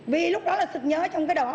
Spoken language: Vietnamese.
vì lúc đó là sự nhớ trong cái đó